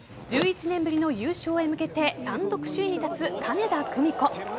１１年ぶりの優勝へ向けて単独首位に立つ金田久美子。